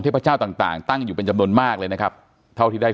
พระเจ้าต่างต่างตั้งอยู่เป็นจำนวนมากเลยนะครับเท่าที่ได้